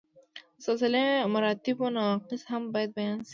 د سلسله مراتبو نواقص هم باید بیان شي.